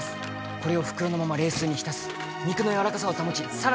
これを袋のまま冷水に浸す肉のやわらかさを保ちさらに